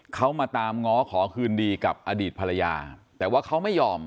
เขามาตามง้อขอคืนดีกับอดีตภรรยาแต่ว่าเขาไม่ยอม